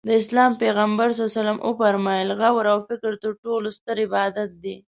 د اسلام پیغمبر ص وفرمایل غور او فکر تر ټولو ستر عبادت دی.